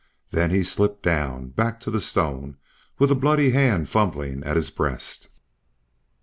Then he slipped down, back to the stone, with a bloody hand fumbling at his breast.